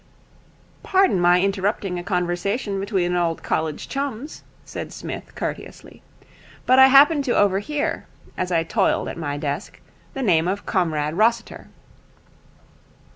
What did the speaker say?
'Pardon my interrupting a conversation between old college chums,' said Psmith courteously, 'but I happened to overhear, as I toiled at my desk, the name of Comrade Rossiter.'